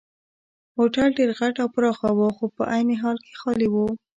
هوټل ډېر غټ او پراخه وو خو په عین حال کې خالي وو.